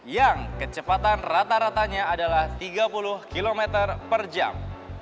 yang kecepatan rata ratanya adalah tiga puluh km per jam